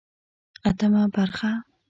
اتمه برخه